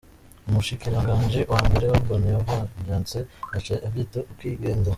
Umushikiranganji wa mbere Orban yaravyanse, aca ivyita “ukwigenza”.